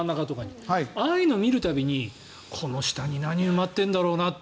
ああいうのを見る度にこの下に何が埋まってるんだろうなって